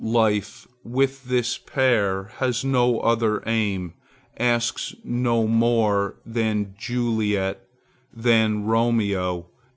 Life, with this pair, has no other aim, asks no more, than Juliet,—than Romeo.